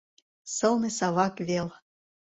Сылне Савак вел!